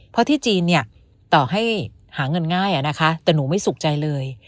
เพราะที่จีนเนี่ยต่อให้หาเงินง่ายนะคะแต่หนูไม่สุขใจเลย